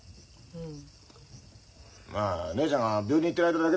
うん。